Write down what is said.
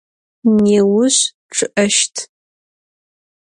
Nêuş ççı'eşt.